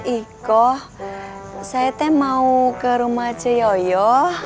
iko saya mau ke rumah ceyoyo